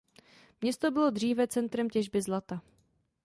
Město bylo dříve centrem těžby zlata.